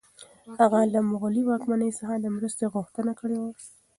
هغه له مغلي واکمن څخه د مرستې غوښتنه کړې وه.